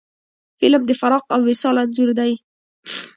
فلم د فراق او وصال انځور دی